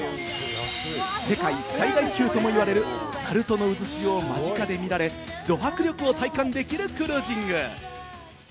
世界最大級とも言われる鳴門のうずしおを間近で見られ、ど迫力を体感できるクルージング。